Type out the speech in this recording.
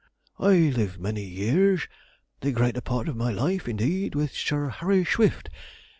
'I lived many years the greater part of my life, indeed with Sir Harry Swift.